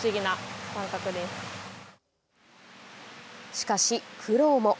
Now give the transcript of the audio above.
しかし、苦労も。